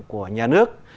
của nhà nước